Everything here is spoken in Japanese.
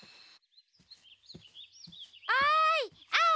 おいアオ！